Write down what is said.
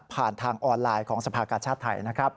ผ่านทางออนไลน์ของสภากาชาติไทยนะครับ